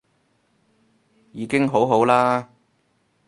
已經好好啦